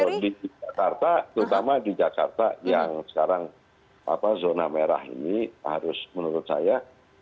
kondisi jakarta terutama di jakarta yang sekarang zona merah ini harus menurut saya